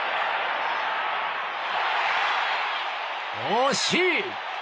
惜しい！